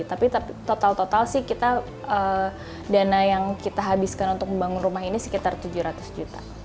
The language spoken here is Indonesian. tapi total total sih kita dana yang kita habiskan untuk membangun rumah ini sekitar tujuh ratus juta